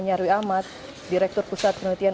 nyarwi ahmad direktur pusat penelitian